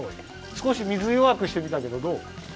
すこし水よわくしてみたけどどう？